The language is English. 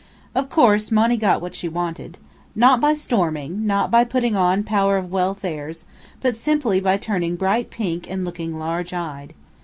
Of course, Monny got what she wanted. Not by storming, not by putting on power of wealth airs, but simply by turning bright pink and looking large eyed.